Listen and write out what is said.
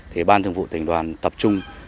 thì ban thường vụ tỉnh đoàn tập trung